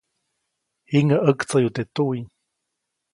Jiŋäʼ ʼaktsayu teʼ tuwiʼ.